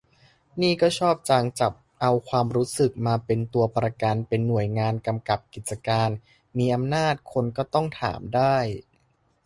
นี่ก็ชอบจัง จับเอาความรู้สึกมาเป็นตัวประกัน เป็นหน่วยงานกำกับกิจการ มีอำนาจ คนก็ต้องถามได้